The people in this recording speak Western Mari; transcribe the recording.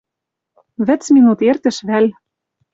Вӹц минут эртӹш вӓл